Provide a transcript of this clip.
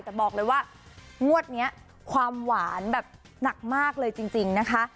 แต่บอกเลยว่างวดนี้ความหวานแบบหนักมากเลยจริงนะคะ